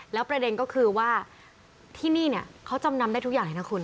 แล้วประเด็นก็คือว่าที่นี่เนี่ยเขาจำนำได้ทุกอย่างเลยนะคุณ